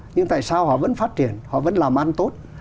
nhưng tại sao họ vẫn phát triển họ vẫn làm ăn tốt